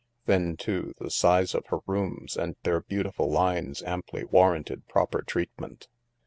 Then, too, the size of her rooms and their beautiful lines amply warranted proper treatment.